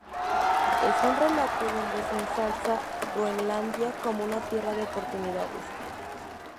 Es un relato donde se ensalza Groenlandia como una tierra de oportunidades.